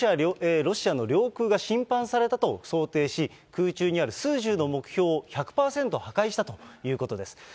ロシアの領空が侵犯されたと想定し、空中にある数十の目標を１００％破壊したということです。